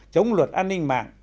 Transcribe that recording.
chống luật an ninh mạng